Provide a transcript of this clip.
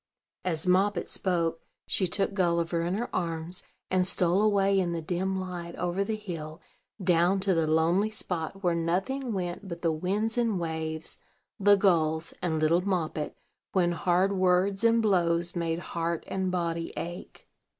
As Moppet spoke, she took Gulliver in her arms, and stole away in the dim light, over the hill, down to the lonely spot where nothing went but the winds and waves, the gulls, and little Moppet, when hard words and blows made heart and body ache.